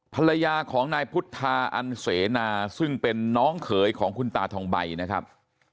ภรรยาของนายพุทธาอันเสนาซึ่งเป็นน้องเขยของคุณตาทองใบนะครับ